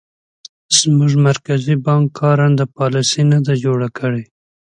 زموږ مرکزي بانک کارنده پالیسي نه ده جوړه کړې.